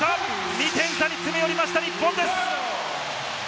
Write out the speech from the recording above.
２点差に詰め寄りました日本です。